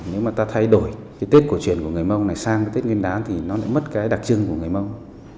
nếu mà ta thay đổi cái tết cổ truyền của người mông này sang cái tết nguyên đán thì nó lại mất cái đặc trưng của người mông